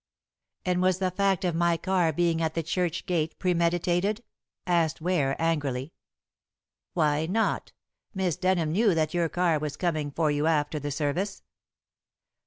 "And was the fact of my car being at the church gate premeditated?" asked Ware angrily. "Why not? Miss Denham knew that your car was coming for you after the service."